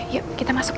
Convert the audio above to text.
yuk kita masuk yuk